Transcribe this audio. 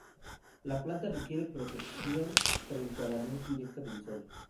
La planta requiere protección frente a la luz directa del sol.